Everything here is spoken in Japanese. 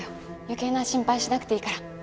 余計な心配しなくていいから。